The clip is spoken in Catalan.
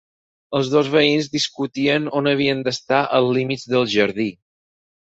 Els dos veïns discutien on havien d'estar els límits del jardí.